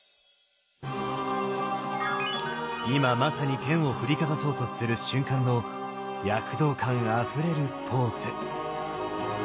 今まさに剣を振りかざそうとする瞬間の躍動感あふれるポーズ。